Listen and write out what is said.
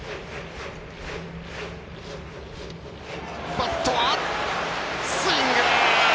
バットはスイング！